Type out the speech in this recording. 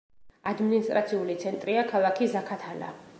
ადმინისტრაციული ცენტრია ქალაქი ზაქათალა.